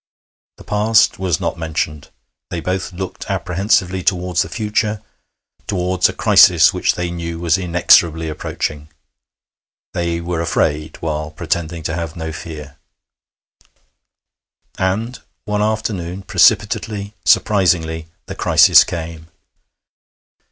The past was not mentioned. They both looked apprehensively towards the future, towards a crisis which they knew was inexorably approaching. They were afraid, while pretending to have no fear. And one afternoon, precipitately, surprisingly, the crisis came.